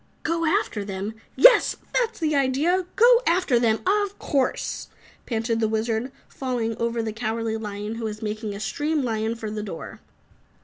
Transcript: "Go after them? Yes! that's the idea, go after them! Of course!" panted the Wizard, falling over the Cowardly Lion who was making a stream lion for the door.